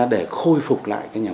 để khôi phục lại cái nhà